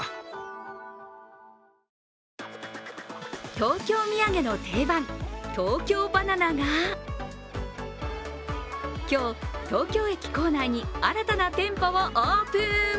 東京土産の定番、東京ばな奈が今日、東京駅構内に新たな店舗をオープン。